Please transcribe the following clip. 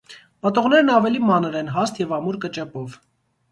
Պտուղներն ավելի մանր են, հաստ և ամուր կճեպով։